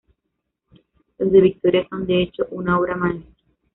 Los de Victoria son, de hecho, una obra maestra.